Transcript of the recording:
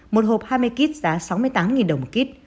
một hộp hai mươi kit giá sáu mươi tám đồng một lít